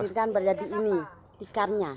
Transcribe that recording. berarti kan berjadi ini tikarnya